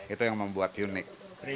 itu yang membuat unik